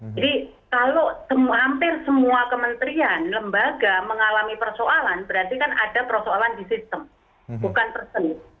jadi kalau hampir semua kementerian lembaga mengalami persoalan berarti kan ada persoalan di sistem bukan tersenit